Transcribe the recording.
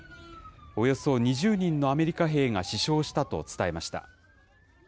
およそ２０人のアメリカ兵が死傷したと伝えました。